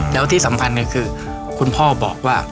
แล้วที่สำคัญคือคุณพ่อบอกว่า